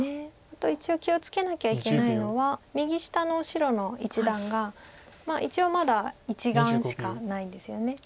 あと一応気を付けなきゃいけないのは右下の白の一団が一応まだ１眼しかないんですよね。